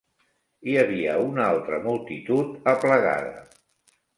Hi havia una altra multitud aplegada